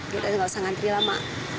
jadi nggak usah ngantri lama